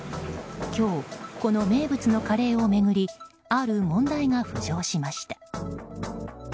今日、この名物のカレーを巡りある問題が浮上しました。